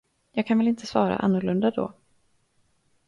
Jag kan väl inte svara annorlunda då.